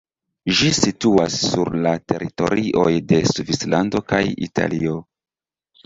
Ĝi situas sur la teritorioj de Svislando kaj Italio.